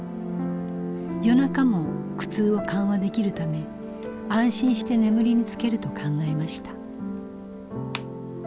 夜中も苦痛を緩和できるため安心して眠りにつけると考えました。